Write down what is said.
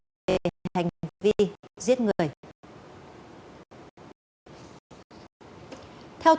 các đối tượng đạt nghe tin